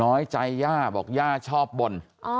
น้อยใจย่าบอกย่าชอบบ่น